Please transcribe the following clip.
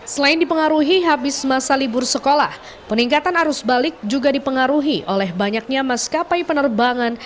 selain dipengaruhi habis masa libur sekolah peningkatan arus balik juga dipengaruhi oleh banyaknya maskapai penerbangan